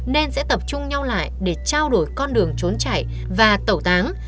nên sẽ tập trung nhau lại để trao đổi con đường trốn chảy và tẩu táng